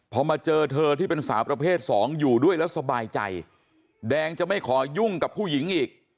พอมาเจอเธอที่เป็นสาวประเภทสองอยู่ด้วยแล้วสบายใจแดงจะไม่ขอยุ่งกับผู้หญิงอีก